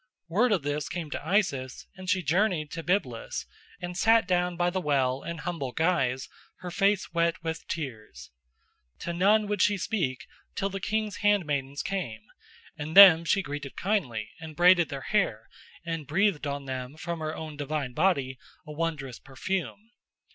Word of this came to Isis and she journeyed to Byblus, and sat down by the well, in humble guise, her face wet with tears. To none would she speak till the king's handmaidens came, and them she greeted kindly, and braided their hair, and breathed on them from her own divine body a wondrous perfume.